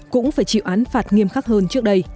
cũng phải chịu án phạt nghiêm khắc hơn trước đây